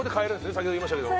先ほどいいましたけど・